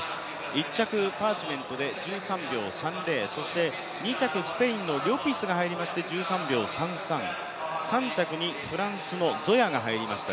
１着パーチメントで１３秒３０、そして２着スペインのリョピスが入りまして、１３秒３３、３着にフランスのゾヤが入りました